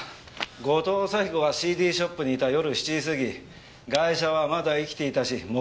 後藤咲子がＣＤショップにいた夜７時過ぎガイシャはまだ生きていたし目撃者もいる。